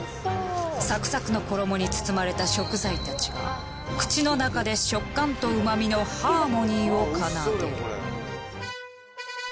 サクサクの衣に包まれた食材たちが口の中で食感とうまみのハーモニーを奏でる。